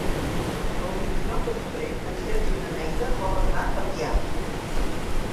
El vint-i-nou de febrer en Sergi i na Neida volen anar a Biar.